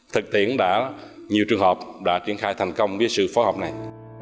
thực tiễn đã nhiều trường hợp đã triển khai thành công sự phối hợp này